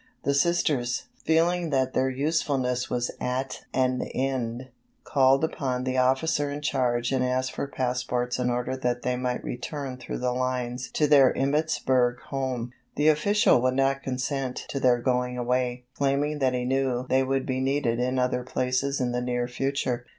The Sisters, feeling that their usefulness was at an end, called upon the officer in charge and asked for passports in order that they might return through the lines to their Emmittsburg home. The official would not consent to their going away, claiming that he knew they would be needed in other places in the near future.